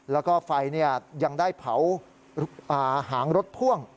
แล้วก็ไฟยังได้เผาหางรถพ่วง